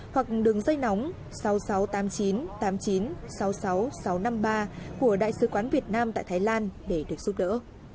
hoặc đường dây nóng sáu trăm tám mươi chín tám mươi chín sáu mươi sáu sáu trăm năm mươi ba của đại sứ quán việt nam tại thái lan để được giúp đỡ